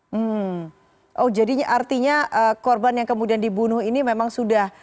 hmm oh jadinya artinya korban yang kemudian dibunuh ini memang sudah